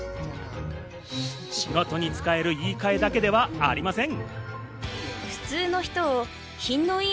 仕事に使える言いかえだけではありません。